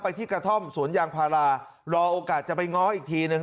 ที่กระท่อมสวนยางพารารอโอกาสจะไปง้ออีกทีหนึ่ง